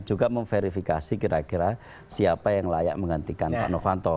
juga memverifikasi kira kira siapa yang layak menggantikan pak novanto